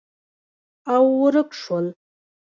او، ورک شول